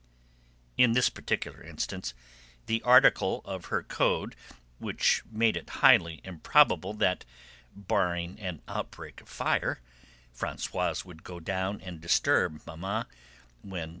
In this particular instance, the article of her code which made it highly improbable that barring an outbreak of fire Françoise would go down and disturb Mamma when M.